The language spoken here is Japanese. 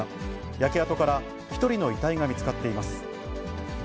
焼け跡から１人の遺体が見つかっています。